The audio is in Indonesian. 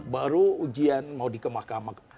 baru ujian mau di ke mahkamah